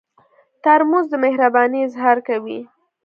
ترموز د مهربانۍ اظهار کوي.